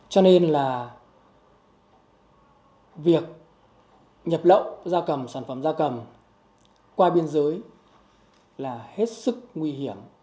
cho nên là việc nhập lậu gia cầm sản phẩm da cầm qua biên giới là hết sức nguy hiểm